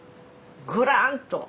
ぐらんと